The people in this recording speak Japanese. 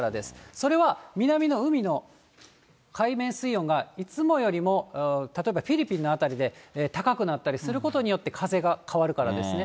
それは、南の海の海面水温がいつもよりも、例えばフィリピンの辺りで高くなったりすることによって風が変わるからですね。